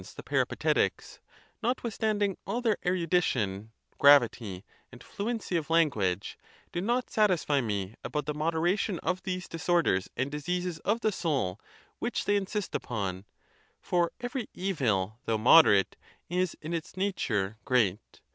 For our friends the Peripatetics, notwithstanding all their erudition, gravity, and fluency of language, do not satisfy me about the moderation of these disorders and diseases ON GRIEF OF MIND. 101 of the soul which they insist upon; for every evil, though moderate, is in its nature great.